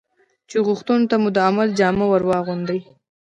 چې غوښتنو ته مو د عمل جامه ور واغوندي.